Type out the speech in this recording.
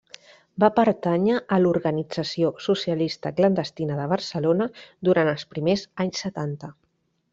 Va Pertànyer a l'organització socialista clandestina de Barcelona durant els primers anys setanta.